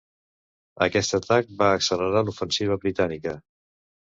Aquest atac va accelerar l'ofensiva britànica.